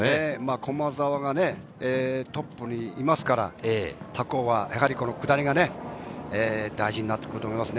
駒澤がね、トップにいますから、他校はやはり下りがね、大事になってくると思いますね。